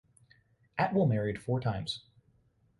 Atwill married four times.